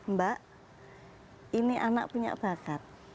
mbak ini anak punya bakat